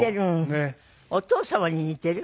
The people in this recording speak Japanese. お父様に似てる？